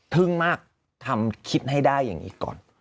มากทำคิดให้ได้อย่างนี้ก่อน